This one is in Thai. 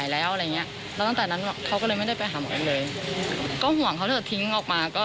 อยู่ข้างในอะไรอย่างนี้ค่ะ